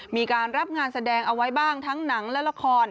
มีการรับงานแสดงเอาไว้บ้างทั้งหนังและละคร